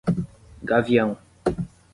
Gavião